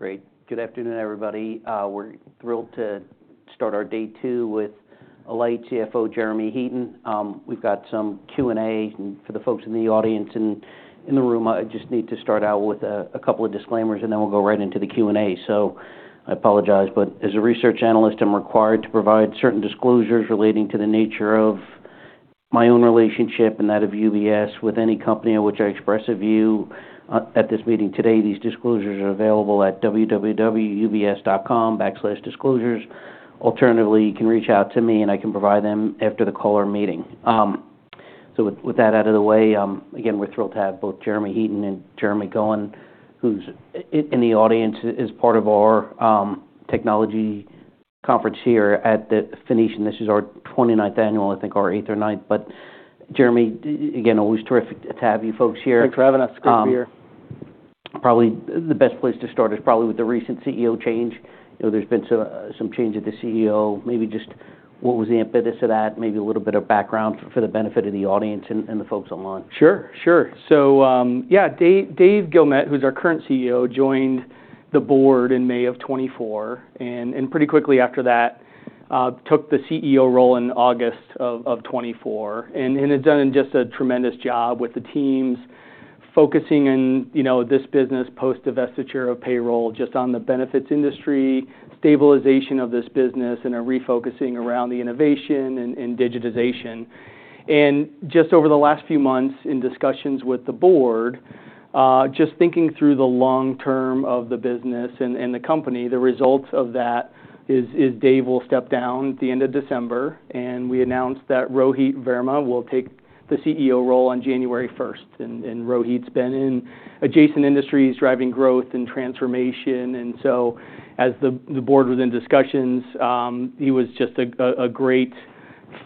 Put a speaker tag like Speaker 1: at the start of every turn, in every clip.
Speaker 1: Great. Good afternoon, everybody. We're thrilled to start our day two with Alight CFO Jeremy Heaton. We've got some Q&A for the folks in the audience and in the room. I just need to start out with a couple of disclaimers, and then we'll go right into the Q&A. So I apologize, but as a research analyst, I'm required to provide certain disclosures relating to the nature of my own relationship and that of UBS with any company in which I express a view at this meeting today. These disclosures are available at www.ubs.com/disclosures. Alternatively, you can reach out to me, and I can provide them after the call or meeting. So with that out of the way, again, we're thrilled to have both Jeremy Heaton and Jeremy Gowan, who's in the audience as part of our technology conference here at the Phoenician. This is our 29th annual, I think our 8th or 9th. But Jeremy, again, always terrific to have you folks here.
Speaker 2: Thanks, Kevin. Great to be here.
Speaker 1: Probably the best place to start is probably with the recent CEO change. You know, there's been some change at the CEO. Maybe just what was the impetus of that? Maybe a little bit of background for the benefit of the audience and the folks online.
Speaker 2: Sure, sure. So, yeah, Dave Guilmette, who's our current CEO, joined the board in May of 2024, and pretty quickly after that, took the CEO role in August of 2024. And he's done just a tremendous job with the teams, focusing on, you know, this business post-divestiture of payroll, just on the benefits industry, stabilization of this business, and refocusing around the innovation and digitization. And just over the last few months in discussions with the board, just thinking through the long term of the business and the company, the result of that is Dave will step down at the end of December, and we announced that Rohit Verma will take the CEO role on January 1st. And Rohit's been in adjacent industries, driving growth and transformation. And so, as the board was in discussions, he was just a great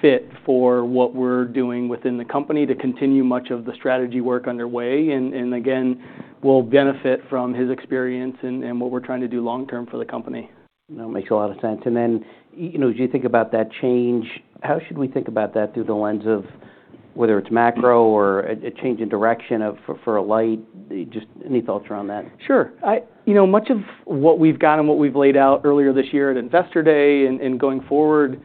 Speaker 2: fit for what we're doing within the company to continue much of the strategy work underway. And again, we'll benefit from his experience and what we're trying to do long term for the company.
Speaker 1: That makes a lot of sense. And then, you know, as you think about that change, how should we think about that through the lens of whether it's macro or a change in direction for Alight? Just any thoughts around that?
Speaker 2: Sure. I, you know, much of what we've gotten and what we've laid out earlier this year at Investor Day and going forward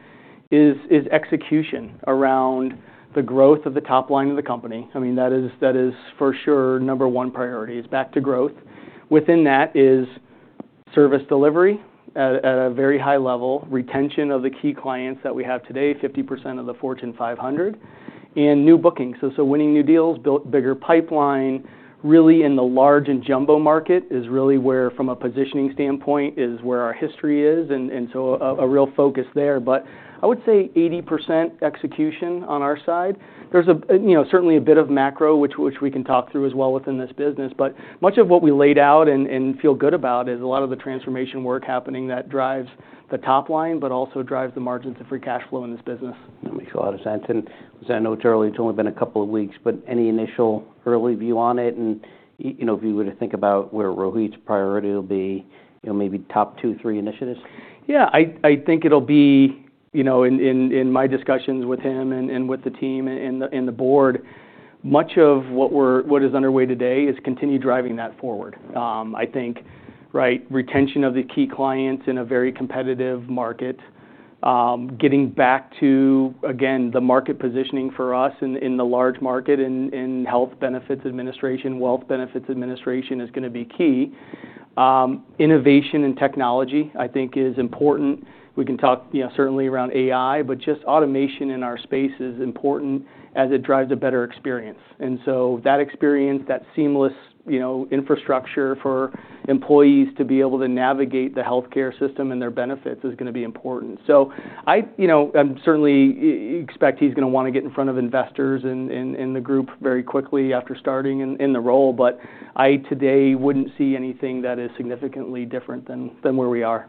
Speaker 2: is execution around the growth of the top line of the company. I mean, that is for sure number one priority is back to growth. Within that is service delivery at a very high level, retention of the key clients that we have today, 50% of the Fortune 500, and new bookings. So, winning new deals, built bigger pipeline, really in the large and jumbo market is really where, from a positioning standpoint, is where our history is. And so, a real focus there. But I would say 80% execution on our side. There's a, you know, certainly a bit of macro, which we can talk through as well within this business. But much of what we laid out and feel good about is a lot of the transformation work happening that drives the top line, but also drives the margins of free cash flow in this business.
Speaker 1: That makes a lot of sense. And as you know, Jeremy, it's only been a couple of weeks, but any initial early view on it? And, you know, if you were to think about where Rohit's priority will be, you know, maybe top two, three initiatives?
Speaker 2: Yeah, I think it'll be, you know, in my discussions with him and with the team and the board, much of what is underway today is continued driving that forward. I think, right, retention of the key clients in a very competitive market, getting back to, again, the market positioning for us in the large market in health benefits administration, wealth benefits administration is going to be key. Innovation and technology, I think, is important. We can talk, you know, certainly around AI, but just automation in our space is important as it drives a better experience. And so that experience, that seamless, you know, infrastructure for employees to be able to navigate the healthcare system and their benefits is going to be important. So, you know, I'm certainly expecting he's going to want to get in front of investors and the group very quickly after starting in the role. But today I wouldn't see anything that is significantly different than where we are.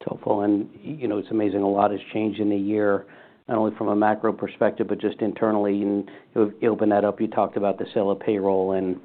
Speaker 1: It's helpful, and you know, it's amazing a lot has changed in the year, not only from a macro perspective, but just internally, and you opened that up. You talked about the sale of payroll and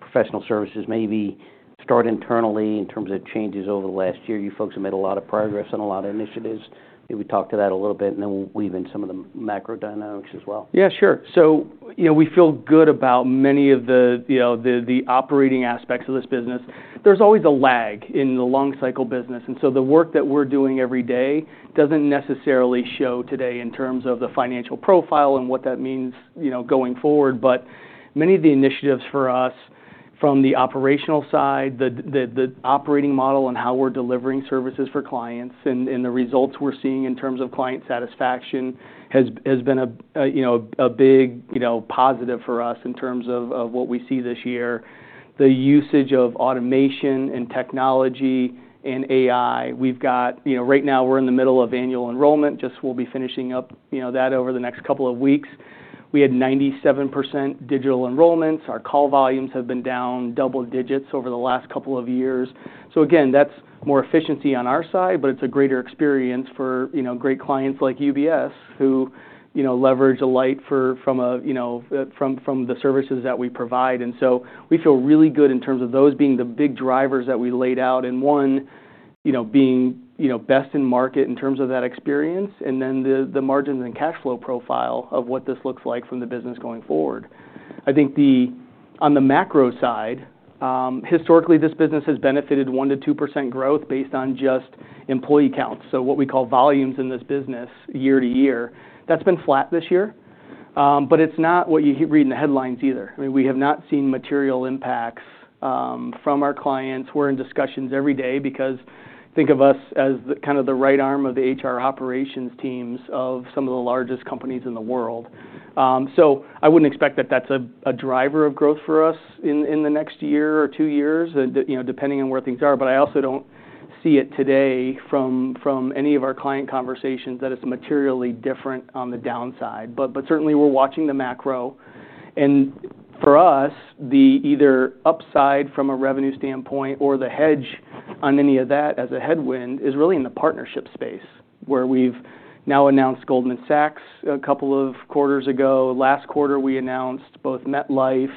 Speaker 1: professional services. Maybe start internally in terms of changes over the last year. You folks have made a lot of progress on a lot of initiatives. Maybe talk to that a little bit and then weave in some of the macro dynamics as well.
Speaker 2: Yeah, sure. So, you know, we feel good about many of the, you know, the operating aspects of this business. There's always a lag in the long cycle business. And so the work that we're doing every day doesn't necessarily show today in terms of the financial profile and what that means, you know, going forward. But many of the initiatives for us from the operational side, the operating model and how we're delivering services for clients and the results we're seeing in terms of client satisfaction has been a, you know, a big, you know, positive for us in terms of what we see this year. The usage of automation and technology and AI. We've got, you know, right now we're in the middle of annual enrollment. Just we'll be finishing up, you know, that over the next couple of weeks. We had 97% digital enrollments. Our call volumes have been down double digits over the last couple of years, so again, that's more efficiency on our side, but it's a greater experience for, you know, great clients like UBS who, you know, leverage Alight from, you know, from the services that we provide, and so we feel really good in terms of those being the big drivers that we laid out and one, you know, being, you know, best in market in terms of that experience and then the margins and cash flow profile of what this looks like from the business going forward. I think on the macro side, historically this business has benefited 1%-2% growth based on just employee counts. So what we call volumes in this business year-to-year, that's been flat this year, but it's not what you read in the headlines either. I mean, we have not seen material impacts from our clients. We're in discussions every day because think of us as kind of the right arm of the HR operations teams of some of the largest companies in the world. So I wouldn't expect that that's a driver of growth for us in the next year or two years, you know, depending on where things are. But I also don't see it today from any of our client conversations that it's materially different on the downside. But certainly we're watching the macro. And for us, the either upside from a revenue standpoint or the hedge on any of that as a headwind is really in the partnership space where we've now announced Goldman Sachs a couple of quarters ago. Last quarter we announced both MetLife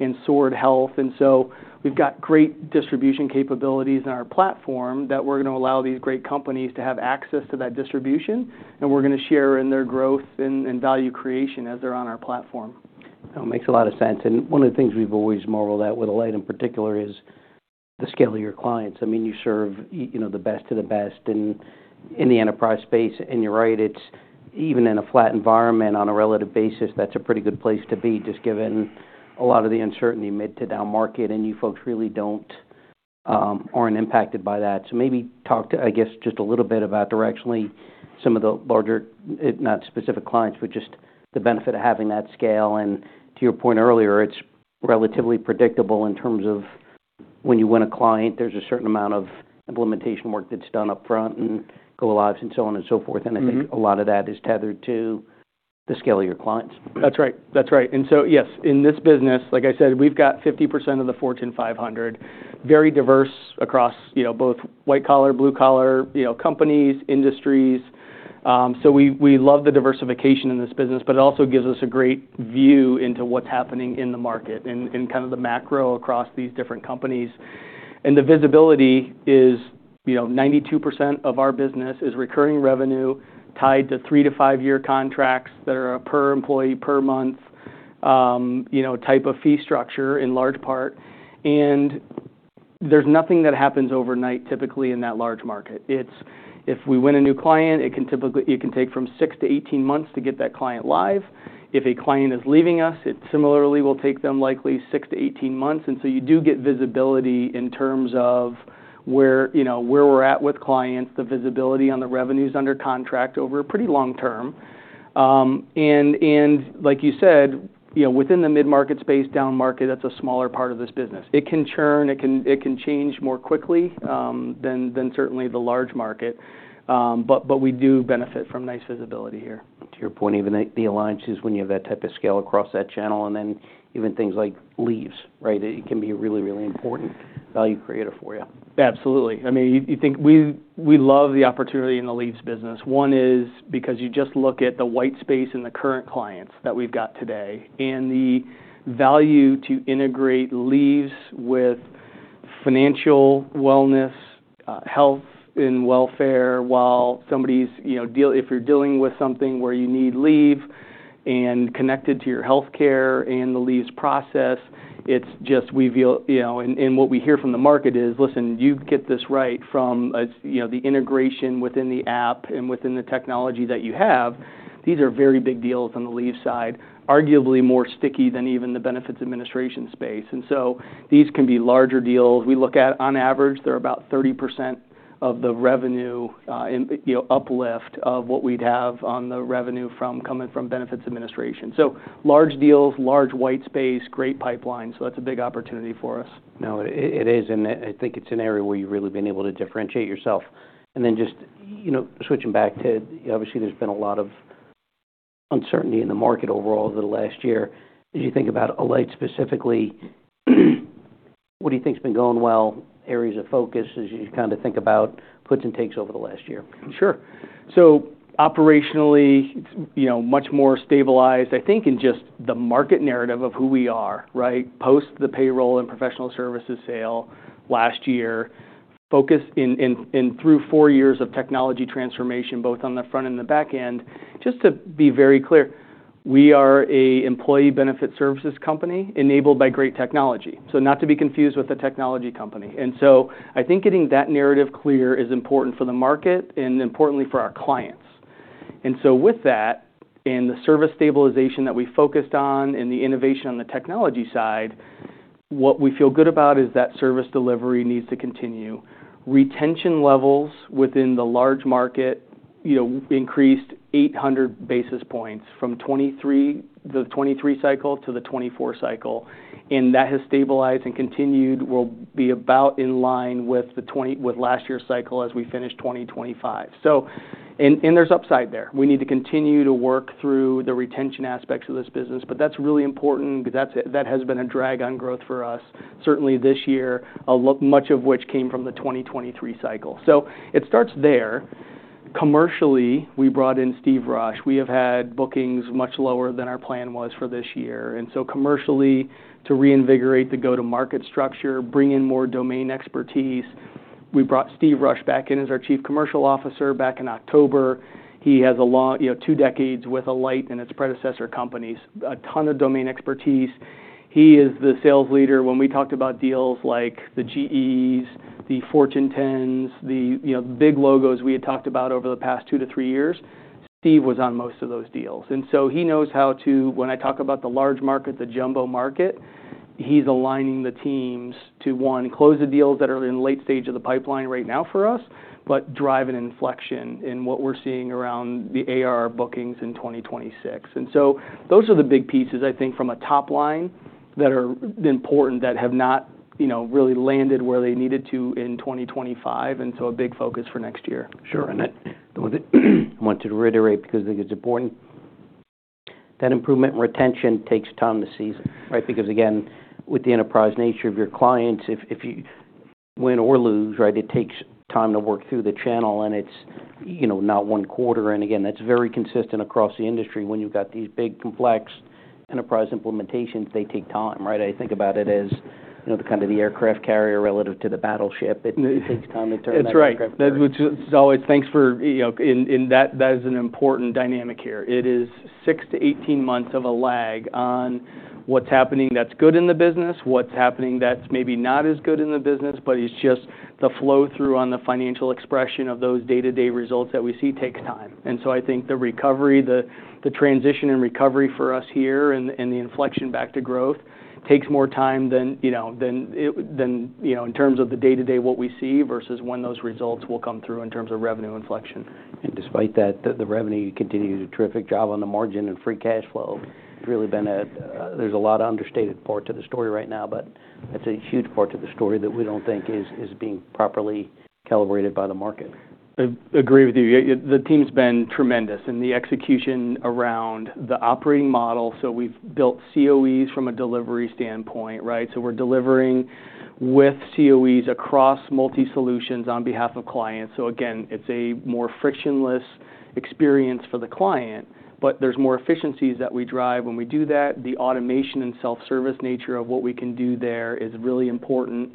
Speaker 2: and Sword Health. And so we've got great distribution capabilities in our platform that we're going to allow these great companies to have access to that distribution. And we're going to share in their growth and value creation as they're on our platform.
Speaker 1: That makes a lot of sense. And one of the things we've always modeled out with Alight in particular is the scale of your clients. I mean, you serve, you know, the best of the best in the enterprise space. And you're right, it's even in a flat environment on a relative basis, that's a pretty good place to be just given a lot of the uncertainty mid- to down-market. And you folks really aren't impacted by that. So maybe talk to, I guess, just a little bit about directionally some of the larger, not specific clients, but just the benefit of having that scale. And to your point earlier, it's relatively predictable in terms of when you win a client, there's a certain amount of implementation work that's done upfront and go-lives and so on and so forth. I think a lot of that is tethered to the scale of your clients.
Speaker 2: That's right. That's right. And so, yes, in this business, like I said, we've got 50% of the Fortune 500, very diverse across, you know, both white collar, blue collar, you know, companies, industries. So we love the diversification in this business, but it also gives us a great view into what's happening in the market and kind of the macro across these different companies. And the visibility is, you know, 92% of our business is recurring revenue tied to three- to five-year contracts that are a per employee, per month, you know, type of fee structure in large part. And there's nothing that happens overnight typically in that large market. It's if we win a new client, it can typically take from six- to 18 months to get that client live. If a client is leaving us, it similarly will take them likely six to 18 months. And so you do get visibility in terms of where, you know, where we're at with clients, the visibility on the revenues under contract over a pretty long term. And like you said, you know, within the mid-market space, down market, that's a smaller part of this business. It can churn, it can change more quickly than certainly the large market. But we do benefit from nice visibility here.
Speaker 1: To your point, even the alliances, when you have that type of scale across that channel, and then even things like leaves, right, it can be a really, really important value creator for you.
Speaker 2: Absolutely. I mean, you think we love the opportunity in the leaves business. One is because you just look at the white space in the current clients that we've got today and the value to integrate leaves with financial wellness, health, and welfare while somebody's, you know, if you're dealing with something where you need leave and connected to your healthcare and the leaves process, it's just, you know, and what we hear from the market is, listen, you get this right from, you know, the integration within the app and within the technology that you have. These are very big deals on the leave side, arguably more sticky than even the benefits administration space. And so these can be larger deals. We look at on average, they're about 30% of the revenue, you know, uplift of what we'd have on the revenue coming from benefits administration. Large deals, large white space, great pipeline. That's a big opportunity for us.
Speaker 1: No, it is. And I think it's an area where you've really been able to differentiate yourself. And then, just, you know, switching back to, obviously, there's been a lot of uncertainty in the market overall over the last year. As you think about Alight specifically, what do you think has been going well? Areas of focus as you kind of think about puts and takes over the last year.
Speaker 2: Sure. So operationally, you know, much more stabilized, I think in just the market narrative of who we are, right? Post the payroll and professional services sale last year, focus in through four years of technology transformation, both on the front and the back end. Just to be very clear, we are an employee benefit services company enabled by great technology. So not to be confused with a technology company. And so I think getting that narrative clear is important for the market and importantly for our clients. And so with that and the service stabilization that we focused on and the innovation on the technology side, what we feel good about is that service delivery needs to continue. Retention levels within the large market, you know, increased 800 basis points from the 2023 cycle to the 2024 cycle. And that has stabilized and continued will be about in line with last year's cycle as we finish 2025. So and there's upside there. We need to continue to work through the retention aspects of this business, but that's really important because that has been a drag on growth for us. Certainly this year, much of which came from the 2023 cycle. So it starts there. Commercially, we brought in Steve Rush. We have had bookings much lower than our plan was for this year. And so commercially, to reinvigorate the go-to-market structure, bring in more domain expertise, we brought Steve Rush back in as our Chief Commercial Officer back in October. He has a long, you know, two decades with Alight and its predecessor companies, a ton of domain expertise. He is the sales leader. When we talked about deals like the GEs, the Fortune 10s, the, you know, big logos we had talked about over the past two to three years, Steve was on most of those deals. And so he knows how to, when I talk about the large market, the jumbo market, he's aligning the teams to, one, close the deals that are in late stage of the pipeline right now for us, but drive an inflection in what we're seeing around the ARR bookings in 2026. And so those are the big pieces, I think, from a top line that are important that have not, you know, really landed where they needed to in 2025. And so a big focus for next year.
Speaker 1: Sure. And I want to reiterate because I think it's important that improvement and retention takes time to season, right? Because again, with the enterprise nature of your clients, if you win or lose, right, it takes time to work through the channel and it's, you know, not one quarter. And again, that's very consistent across the industry when you've got these big complex enterprise implementations, they take time, right? I think about it as, you know, the kind of the aircraft carrier relative to the battleship. It takes time to turn that aircraft carrier.
Speaker 2: That's right. That's what's always, you know, and that is an important dynamic here. It is six to 18 months of a lag on what's happening that's good in the business, what's happening that's maybe not as good in the business, but it's just the flow through on the financial expression of those day-to-day results that we see takes time. And so I think the recovery, the transition and recovery for us here and the inflection back to growth takes more time than, you know, in terms of the day-to-day what we see versus when those results will come through in terms of revenue inflection.
Speaker 1: And despite that, the revenue continues to do a terrific job on the margin and free cash flow. It's really been. There's a lot of understated part to the story right now, but that's a huge part to the story that we don't think is being properly calibrated by the market.
Speaker 2: I agree with you. The team's been tremendous in the execution around the operating model. So we've built COEs from a delivery standpoint, right? So we're delivering with COEs across multi-solutions on behalf of clients. So again, it's a more frictionless experience for the client, but there's more efficiencies that we drive when we do that. The automation and self-service nature of what we can do there is really important.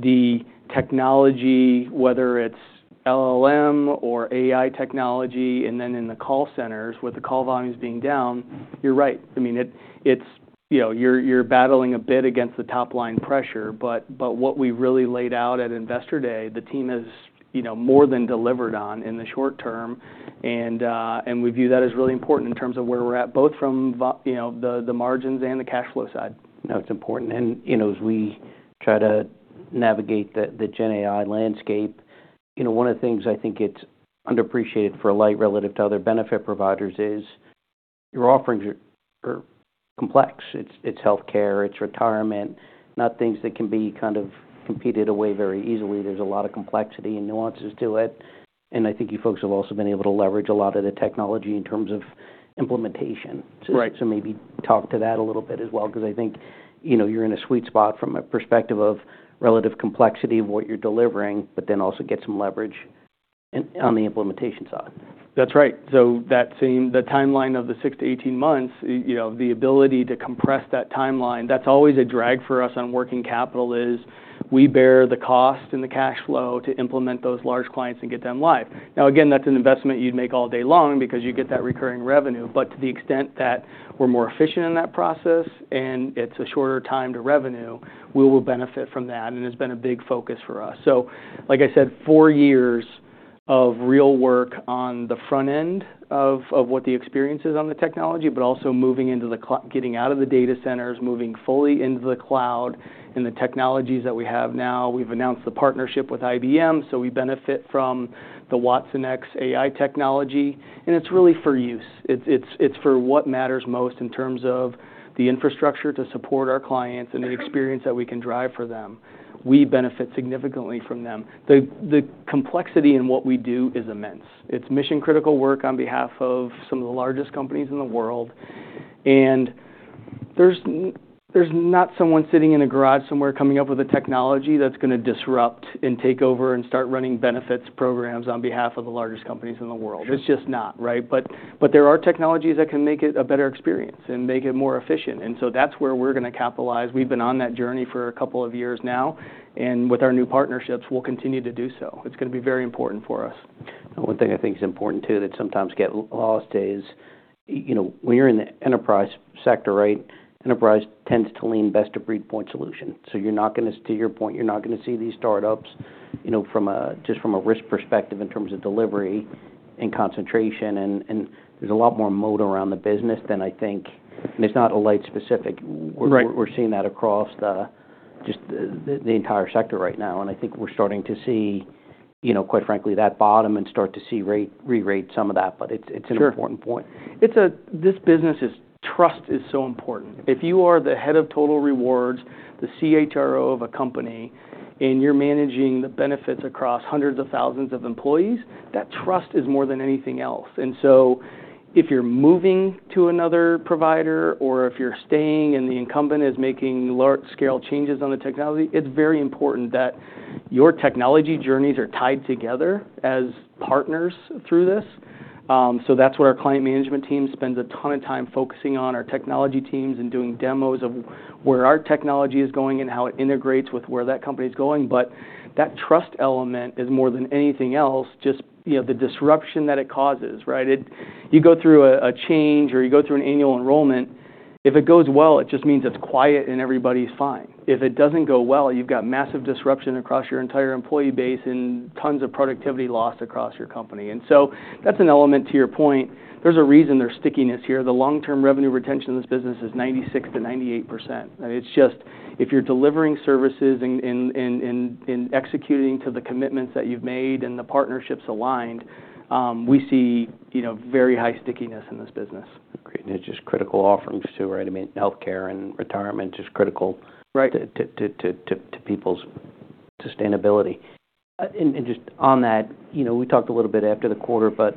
Speaker 2: The technology, whether it's LLM or AI technology, and then in the call centers with the call volumes being down, you're right. I mean, it's, you know, you're battling a bit against the top line pressure, but what we really laid out at investor day, the team has, you know, more than delivered on in the short term. We view that as really important in terms of where we're at, both from, you know, the margins and the cash flow side.
Speaker 1: No, it's important. And, you know, as we try to navigate the GenAI landscape, you know, one of the things I think it's underappreciated for Alight relative to other benefit providers is your offerings are complex. It's healthcare, it's retirement, not things that can be kind of competed away very easily. There's a lot of complexity and nuances to it. And I think you folks have also been able to leverage a lot of the technology in terms of implementation. So maybe talk to that a little bit as well because I think, you know, you're in a sweet spot from a perspective of relative complexity of what you're delivering, but then also get some leverage on the implementation side.
Speaker 2: That's right, so that same timeline of the six to 18 months, you know, the ability to compress that timeline, that's always a drag for us on working capital because we bear the cost and the cash flow to implement those large clients and get them live. Now again, that's an investment you'd make all day long because you get that recurring revenue. But to the extent that we're more efficient in that process and it's a shorter time to revenue, we will benefit from that, and it's been a big focus for us, so like I said, four years of real work on the front end of what the experience is on the technology, but also moving into the cloud, getting out of the data centers, moving fully into the cloud and the technologies that we have now. We've announced the partnership with IBM. So we benefit from the WatsonX AI technology. And it's really for use. It's for what matters most in terms of the infrastructure to support our clients and the experience that we can drive for them. We benefit significantly from them. The complexity in what we do is immense. It's mission-critical work on behalf of some of the largest companies in the world. And there's not someone sitting in a garage somewhere coming up with a technology that's going to disrupt and take over and start running benefits programs on behalf of the largest companies in the world. It's just not, right? But there are technologies that can make it a better experience and make it more efficient. And so that's where we're going to capitalize. We've been on that journey for a couple of years now. And with our new partnerships, we'll continue to do so. It's going to be very important for us.
Speaker 1: One thing I think is important too that sometimes gets lost is, you know, when you're in the enterprise sector, right? Enterprise tends to lean best of breed point solution. So you're not going to, to your point, you're not going to see these startups, you know, from a just from a risk perspective in terms of delivery and concentration. And there's a lot more moat around the business than I think, and it's not Alight specific. We're seeing that across just the entire sector right now. And I think we're starting to see, you know, quite frankly, that bottom and start to see rerate some of that. But it's an important point.
Speaker 2: This business, trust is so important. If you are the head of total rewards, the CHRO of a company, and you're managing the benefits across hundreds of thousands of employees, that trust is more than anything else. And so if you're moving to another provider or if you're staying and the incumbent is making large scale changes on the technology, it's very important that your technology journeys are tied together as partners through this. So that's what our client management team spends a ton of time focusing on our technology teams and doing demos of where our technology is going and how it integrates with where that company is going. But that trust element is more than anything else, just, you know, the disruption that it causes, right? You go through a change or you go through an annual enrollment, if it goes well, it just means it's quiet and everybody's fine. If it doesn't go well, you've got massive disruption across your entire employee base and tons of productivity loss across your company. And so that's an element to your point. There's a reason there's stickiness here. The long-term revenue retention of this business is 96%-98%. And it's just if you're delivering services and executing to the commitments that you've made and the partnerships aligned, we see, you know, very high stickiness in this business.
Speaker 1: Great. And it's just critical offerings too, right? I mean, healthcare and retirement is just critical to people's sustainability. And just on that, you know, we talked a little bit after the quarter, but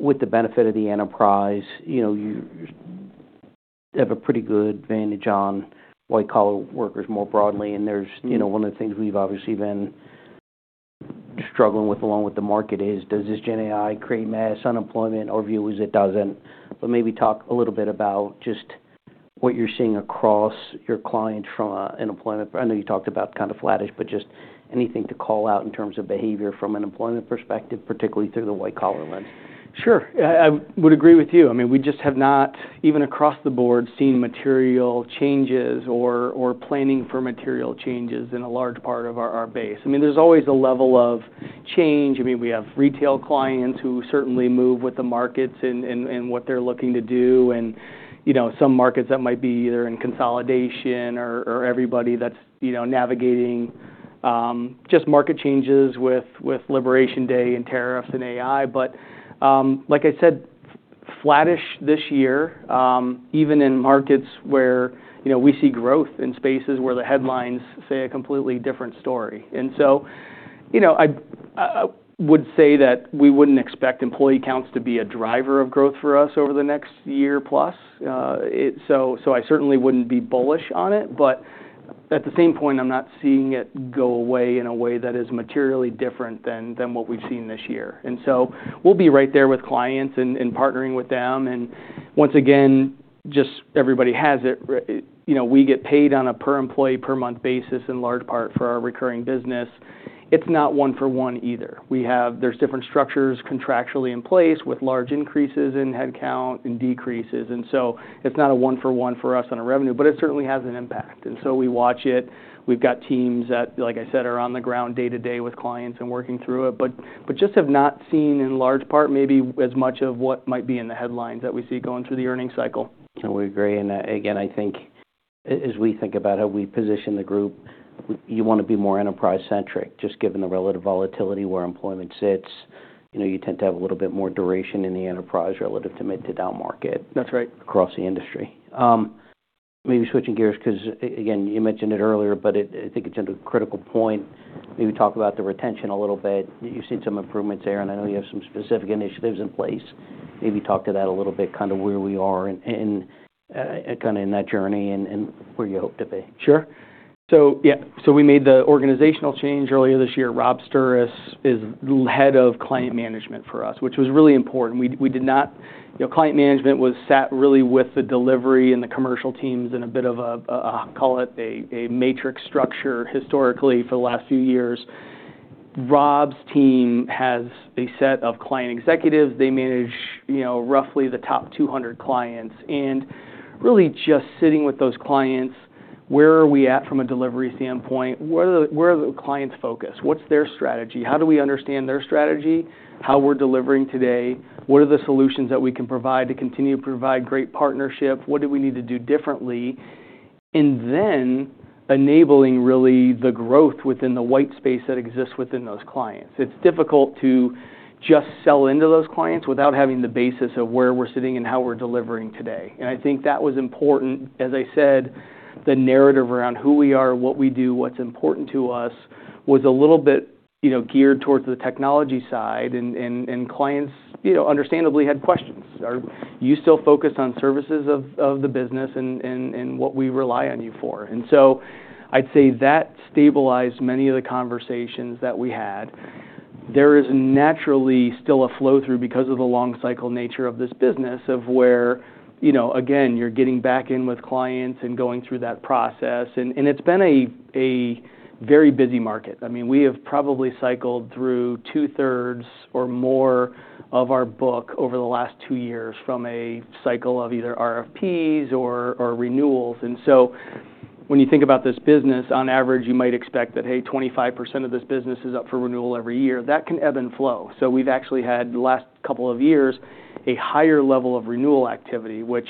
Speaker 1: with the benefit of the enterprise, you know, you have a pretty good advantage on white-collar workers more broadly. And there's, you know, one of the things we've obviously been struggling with along with the market is, does this GenAI create mass unemployment? Our view is it doesn't. But maybe talk a little bit about just what you're seeing across your clients from an employment perspective. I know you talked about kind of flattish, but just anything to call out in terms of behavior from an employment perspective, particularly through the white-collar lens.
Speaker 2: Sure. I would agree with you. I mean, we just have not, even across the board, seen material changes or planning for material changes in a large part of our base. I mean, there's always a level of change. I mean, we have retail clients who certainly move with the markets and what they're looking to do. And, you know, some markets that might be either in consolidation or everybody that's, you know, navigating just market changes with liberation day and tariffs and AI. But like I said, flattish this year, even in markets where, you know, we see growth in spaces where the headlines say a completely different story. And so, you know, I would say that we wouldn't expect employee counts to be a driver of growth for us over the next year plus. So I certainly wouldn't be bullish on it, but at the same point, I'm not seeing it go away in a way that is materially different than what we've seen this year. And so we'll be right there with clients and partnering with them. And once again, just everybody has it, you know, we get paid on a per-employee per-month basis in large part for our recurring business. It's not one-for-one either. We have. There's different structures contractually in place with large increases in headcount and decreases. And so it's not a one-for-one for us on a revenue, but it certainly has an impact. And so we watch it. We've got teams that, like I said, are on the ground day-to-day with clients and working through it, but just have not seen in large part maybe as much of what might be in the headlines that we see going through the earnings cycle.
Speaker 1: And we agree. And again, I think as we think about how we position the group, you want to be more enterprise-centric, just given the relative volatility where employment sits. You know, you tend to have a little bit more duration in the enterprise relative to mid-to-down market across the industry. Maybe switching gears because again, you mentioned it earlier, but I think it's a critical point. Maybe talk about the retention a little bit. You've seen some improvements there, and I know you have some specific initiatives in place. Maybe talk to that a little bit, kind of where we are and kind of in that journey and where you hope to be.
Speaker 2: Sure. So yeah, so we made the organizational change earlier this year. Rob Sturrus is head of client management for us, which was really important. We did not, you know, client management was sat really with the delivery and the commercial teams in a bit of a, I'll call it a matrix structure historically for the last few years. Rob's team has a set of client executives. They manage, you know, roughly the top 200 clients and really just sitting with those clients, where are we at from a delivery standpoint? Where are the clients focused? What's their strategy? How do we understand their strategy? How we're delivering today? What are the solutions that we can provide to continue to provide great partnership? What do we need to do differently? And then enabling really the growth within the white space that exists within those clients. It's difficult to just sell into those clients without having the basis of where we're sitting and how we're delivering today. And I think that was important. As I said, the narrative around who we are, what we do, what's important to us was a little bit, you know, geared towards the technology side. And clients, you know, understandably had questions. Are you still focused on services of the business and what we rely on you for? And so I'd say that stabilized many of the conversations that we had. There is naturally still a flow through because of the long-cycle nature of this business of where, you know, again, you're getting back in with clients and going through that process. And it's been a very busy market. I mean, we have probably cycled through two-thirds or more of our book over the last two years from a cycle of either RFPs or renewals. And so when you think about this business, on average, you might expect that, hey, 25% of this business is up for renewal every year. That can ebb and flow. So we've actually had the last couple of years a higher level of renewal activity, which,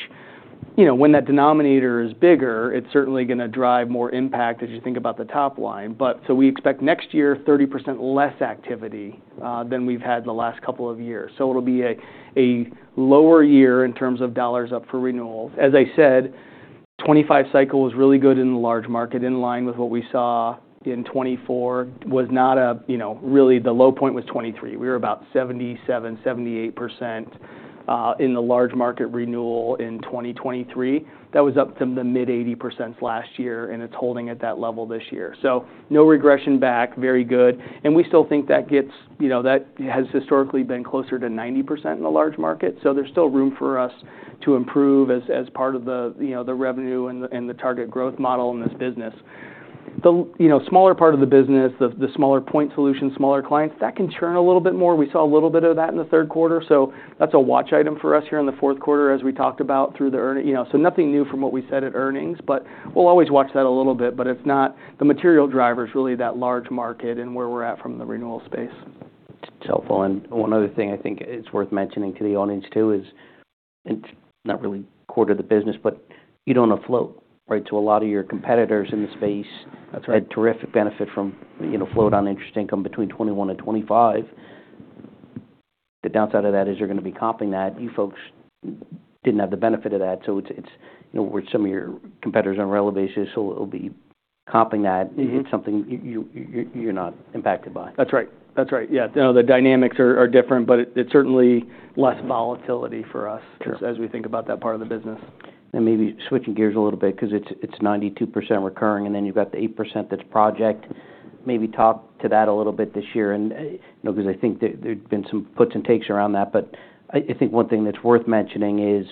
Speaker 2: you know, when that denominator is bigger, it's certainly going to drive more impact as you think about the top line. But so we expect next year 30% less activity than we've had the last couple of years. So it'll be a lower year in terms of dollars up for renewals. As I said, the 2025 cycle was really good in the large market, in line with what we saw in 2024, which was not, you know, really the low point. The low point was 2023. We were about 77%-78% in the large market renewal in 2023. That was up from the mid-80% last year, and it's holding at that level this year, so no regression back, very good. And we still think that gets, you know, that has historically been closer to 90% in the large market, so there's still room for us to improve as part of the, you know, the revenue and the target growth model in this business. The, you know, smaller part of the business, the smaller point solutions, smaller clients, that can churn a little bit more. We saw a little bit of that in the third quarter. That's a watch item for us here in the fourth quarter as we talked about through the earnings, you know, so nothing new from what we said at earnings, but we'll always watch that a little bit, but it's not the material drivers really that large market and where we're at from the renewal space.
Speaker 1: It's helpful. And one other thing I think it's worth mentioning to the audience too is it's not really a quarter of the business, but you don't have float, right? So a lot of your competitors in the space had terrific benefit from, you know, float on interest income between 21 and 25. The downside of that is you're going to be comping that. You folks didn't have the benefit of that. So it's, you know, whereas some of your competitors on a relevant basis, so it'll be comping that. It's something you're not impacted by.
Speaker 2: That's right. That's right. Yeah. You know, the dynamics are different, but it's certainly less volatility for us as we think about that part of the business.
Speaker 1: And maybe switching gears a little bit because it's 92% recurring, and then you've got the 8% that's project. Maybe talk to that a little bit this year. And you know, because I think there's been some puts and takes around that, but I think one thing that's worth mentioning is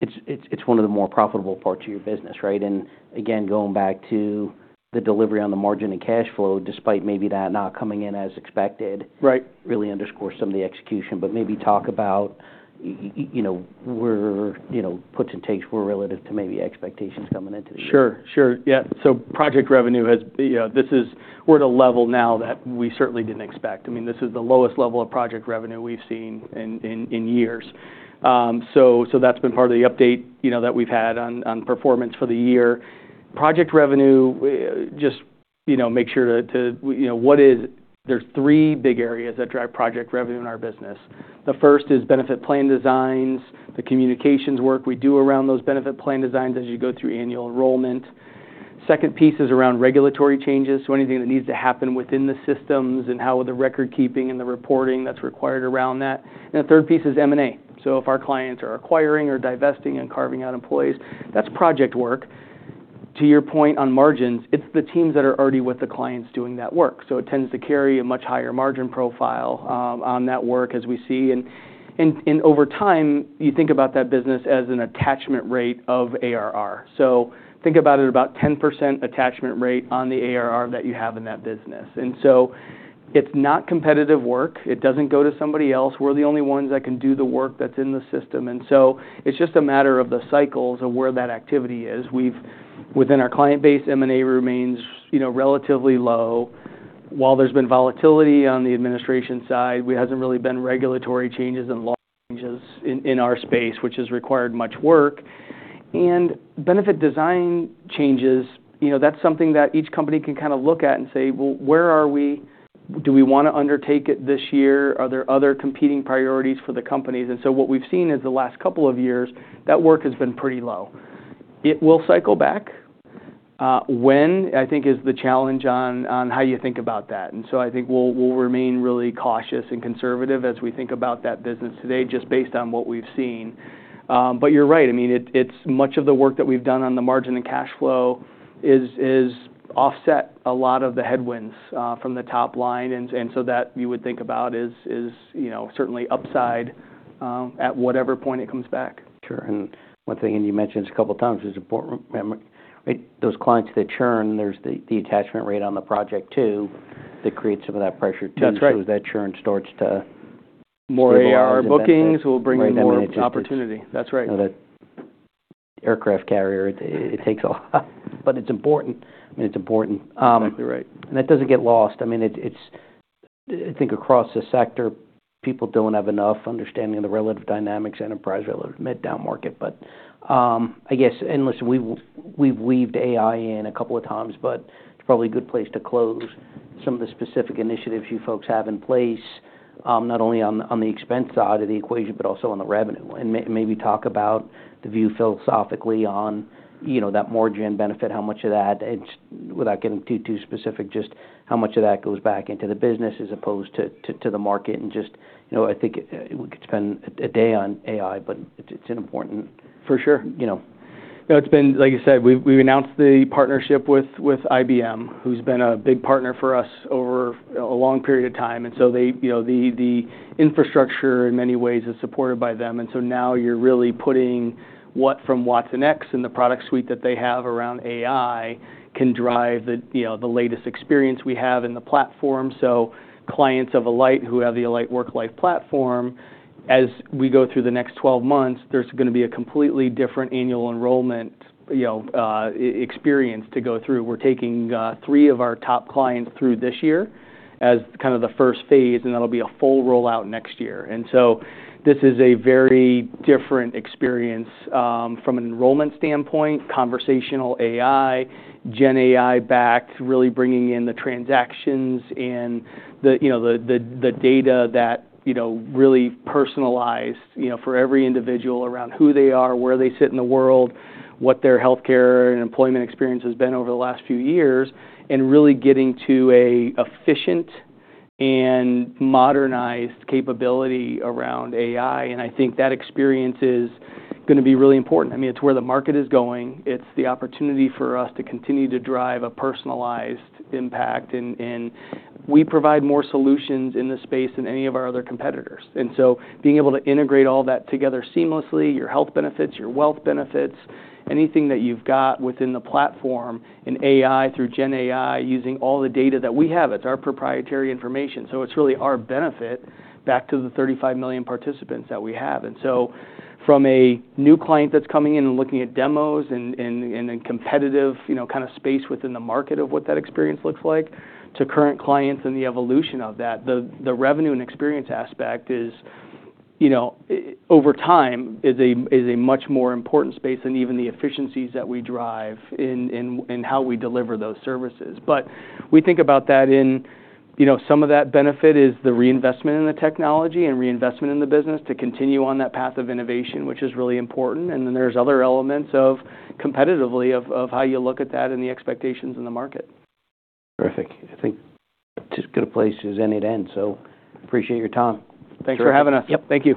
Speaker 1: it's one of the more profitable parts of your business, right? And again, going back to the delivery on the margin and cash flow, despite maybe that not coming in as expected, really underscores some of the execution. But maybe talk about, you know, where, you know, puts and takes were relative to maybe expectations coming into the year.
Speaker 2: Sure. Sure. Yeah. So project revenue has, you know, this is, we're at a level now that we certainly didn't expect. I mean, this is the lowest level of project revenue we've seen in years. So that's been part of the update, you know, that we've had on performance for the year. Project revenue, there's three big areas that drive project revenue in our business. The first is benefit plan designs, the communications work we do around those benefit plan designs as you go through annual enrollment. Second piece is around regulatory changes. So anything that needs to happen within the systems and how the record keeping and the reporting that's required around that. And the third piece is M&A. So if our clients are acquiring or divesting and carving out employees, that's project work. To your point on margins, it's the teams that are already with the clients doing that work. So it tends to carry a much higher margin profile on that work as we see. And over time, you think about that business as an attachment rate of ARR. So think about it about 10% attachment rate on the ARR that you have in that business. And so it's not competitive work. It doesn't go to somebody else. We're the only ones that can do the work that's in the system. And so it's just a matter of the cycles of where that activity is. Within our client base, M&A remains, you know, relatively low. While there's been volatility on the administration side, we haven't really been regulatory changes and law changes in our space, which has required much work. And benefit design changes, you know, that's something that each company can kind of look at and say, well, where are we? Do we want to undertake it this year? Are there other competing priorities for the companies? And so what we've seen is the last couple of years, that work has been pretty low. It will cycle back. When, I think, is the challenge on how you think about that. And so I think we'll remain really cautious and conservative as we think about that business today, just based on what we've seen. But you're right. I mean, it's much of the work that we've done on the margin and cash flow has offset a lot of the headwinds from the top line. And so that you would think about is, you know, certainly upside at whatever point it comes back.
Speaker 1: Sure. And one thing, and you mentioned it a couple of times, it's important, right? Those clients that churn, there's the attachment rate on the project too that creates some of that pressure too. So as that churn starts to.
Speaker 2: More ARR bookings, we'll bring more opportunity. That's right.
Speaker 1: Aircraft carrier, it takes a lot. But it's important. I mean, it's important.
Speaker 2: Exactly right.
Speaker 1: That doesn't get lost. I mean, it's, I think across the sector, people don't have enough understanding of the relative dynamics, enterprise relative mid-down market. I guess, and listen, we've weaved AI in a couple of times, but it's probably a good place to close some of the specific initiatives you folks have in place, not only on the expense side of the equation, but also on the revenue. Maybe talk about the view philosophically on, you know, that margin benefit, how much of that, and without getting too, too specific, just how much of that goes back into the business as opposed to the market. Just, you know, I think we could spend a day on AI, but it's an important.
Speaker 2: For sure. You know, it's been, like I said, we announced the partnership with IBM, who's been a big partner for us over a long period of time. And so they, you know, the infrastructure in many ways is supported by them. And so now you're really putting what from Watsonx and the product suite that they have around AI can drive the, you know, the latest experience we have in the platform. So clients of Alight who have the Alight WorkLife platform, as we go through the next 12 months, there's going to be a completely different annual enrollment, you know, experience to go through. We're taking three of our top clients through this year as kind of the first phase, and that'll be a full rollout next year. And so this is a very different experience from an enrollment standpoint, conversational AI, GenAI-backed, really bringing in the transactions and the, you know, the data that, you know, really personalized, you know, for every individual around who they are, where they sit in the world, what their healthcare and employment experience has been over the last few years, and really getting to an efficient and modernized capability around AI. And I think that experience is going to be really important. I mean, it's where the market is going. It's the opportunity for us to continue to drive a personalized impact. And we provide more solutions in this space than any of our other competitors. And so, being able to integrate all that together seamlessly, your health benefits, your wealth benefits, anything that you've got within the platform and AI through GenAI using all the data that we have, it's our proprietary information. So it's really our benefit back to the 35 million participants that we have. And so from a new client that's coming in and looking at demos and a competitive, you know, kind of space within the market of what that experience looks like, to current clients and the evolution of that, the revenue and experience aspect is, you know, over time is a much more important space than even the efficiencies that we drive in how we deliver those services. But we think about that in, you know, some of that benefit is the reinvestment in the technology and reinvestment in the business to continue on that path of innovation, which is really important. And then there's other elements of competitiveness of how you look at that and the expectations in the market.
Speaker 1: Terrific. I think just good place as any to end. So appreciate your time.
Speaker 2: Thanks for having us.
Speaker 1: Yep.
Speaker 2: Thank you.